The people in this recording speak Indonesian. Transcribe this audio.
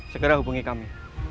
segera hubungi kami